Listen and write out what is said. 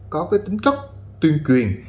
có tính chất tuyên quyền